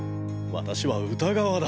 私は歌川だ。